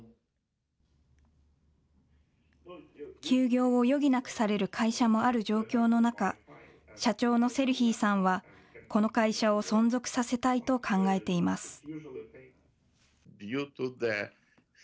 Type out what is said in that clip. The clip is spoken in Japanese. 休業を余儀なくされる会社もある状況の中、社長のセルヒーさんはこの会社を存続させたいと考えています。